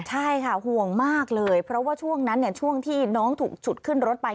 ใช่ค่ะห่วงมากเลยเพราะว่าช่วงนั้นช่วงที่น้องถูกฉุดขึ้นรถไป